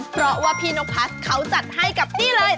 เพราะว่าพี่นกพัดเขาจัดให้กับนี่เลย